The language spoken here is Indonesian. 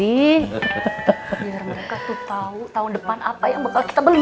biar mereka tuh tahu tahun depan apa yang bakal kita beli